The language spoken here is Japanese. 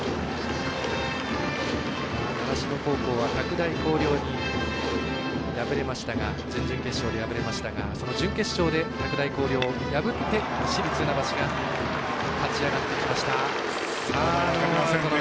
習志野高校は拓大紅陵に準々決勝で敗れましたが準決勝で拓大紅陵を破って市立船橋が勝ち上がってきました。